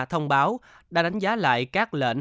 thông báo đã đánh giá lại các lệnh